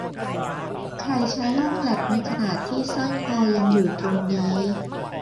ใครใช้ห้องแลปในขณะที่สร้อยคอยังอยู่ตรงนี้